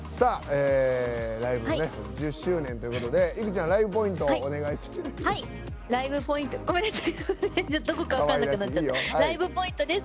ライブ１０周年ということでいくちゃん、ライブポイントをライブポイントです。